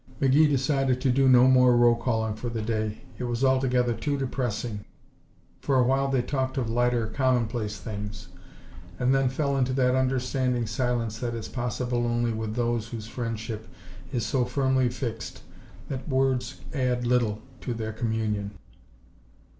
McGee decided to do no more roll calling for the day. It was altogether too depressing. For a while they talked of lighter, commonplace things and then fell into that understanding silence that is possible only with those whose friendship is so firmly fixed that words add little to their communion.